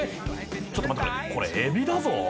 ちょっと待ってくれこれエビだぞ？